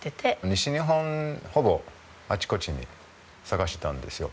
西日本ほぼあちこちに探してたんですよ。